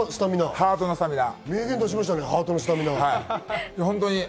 名言出しましたね、ハートのスタミナ。